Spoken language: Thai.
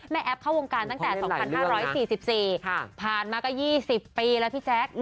แอปเข้าวงการตั้งแต่๒๕๔๔ผ่านมาก็๒๐ปีแล้วพี่แจ๊ค